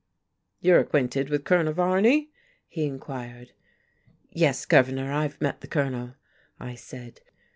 "You're acquainted with Colonel Varney?" he inquired. "Yes, Governor, I've met the Colonel," I said.